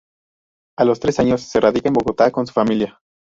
A los tres años se radica en Bogotá con su familia.